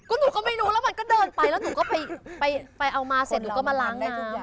หนูก็ไม่รู้แล้วมันก็เดินไปแล้วหนูก็ไปเอามาเสร็จหนูก็มาล้างได้ทุกอย่าง